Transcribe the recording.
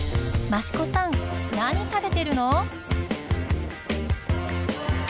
増子さん何食べてるの？